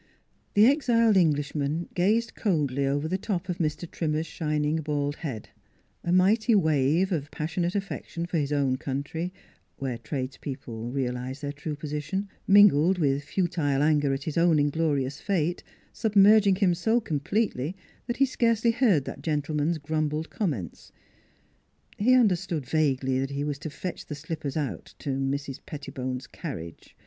The exiled English man gazed coldly over the top of Mr. Trimmer's shining bald head, a mighty wave of passionate affection for his own country (where tradespeople realized their true position) mingled with futile anger at his own inglorious fate submerging him so completely that he scarcely heard that gentle man's grumbled comments. He understood vaguely that he was to fetch the slippers out to Mrs. Pettibone's carriage.